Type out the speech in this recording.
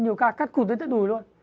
nhiều ca cắt cụt lên đùi luôn